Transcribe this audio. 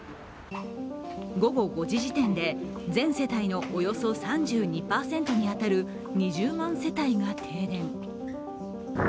午後５時時点で全世帯のおよそ３２％に当たる２０万世帯が停電。